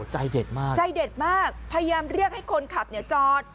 จ้ายเจ็ดมากนะครับนะฮะพยายามเรียกให้คนขับจอด